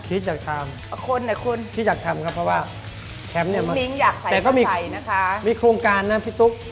คิดอยากทำคนหรือคนคิดอยากทำครับเพราะว่าแคมป์เนี่ยแต่ก็มีโครงการนะพี่ตุ๊ก